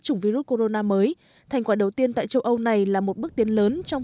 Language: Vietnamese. chủng virus corona mới thành quả đầu tiên tại châu âu này là một bước tiến lớn trong